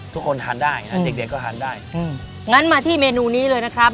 ทุกคนทานได้นะเด็กเด็กก็ทานได้งั้นมาที่เมนูนี้เลยนะครับ